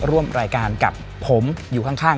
ร่วมรายการกับผมอยู่ข้าง